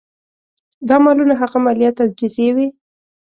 دا مالونه هغه مالیات او جزیې وې.